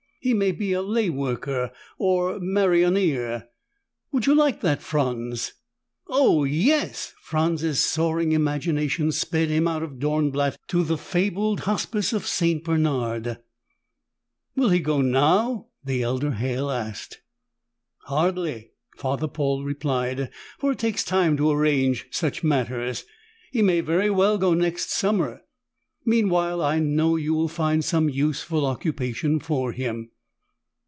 He may be a lay worker, or maronnier. Would you like that, Franz?" "Oh, yes!" Franz's soaring imagination sped him out of Dornblatt to the fabled Hospice of St. Bernard. "Will he go now?" the elder Halle asked. "Hardly," Father Paul replied, "for it takes time to arrange such matters. He may very well go next summer. Meanwhile, I know you will find some useful occupation for him."